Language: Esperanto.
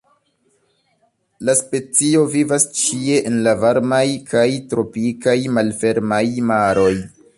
La specio vivas ĉie en la varmaj kaj tropikaj malfermaj maroj.